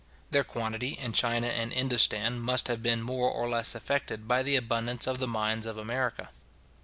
Their quantity in China and Indostan must have been more or less affected by the abundance of the mines of America.